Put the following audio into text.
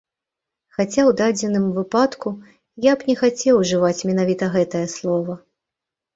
Хаця ў дадзены выпадку я б не хацеў ужываць менавіта гэтае слова.